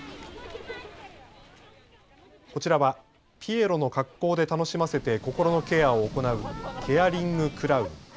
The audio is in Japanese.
こちらは、ピエロの格好で楽しませて心のケアを行うケアリングクラウン。